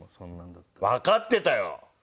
わかってたよ。